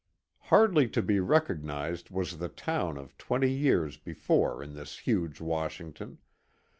Hardly to be recognized was the town of twenty years before in this huge Washington